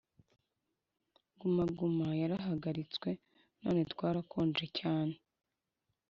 Gumaguma yarahagaritswe none twarakonje cyane